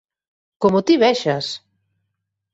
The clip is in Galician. Como ti vexas!